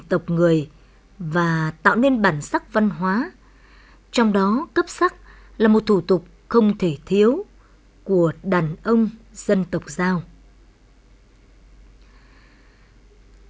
tộc người và tạo nên bản sắc văn hóa trong đó cấp sắc là một thủ tục không thể thiếu của đàn ông dân tộc giao toàn quốc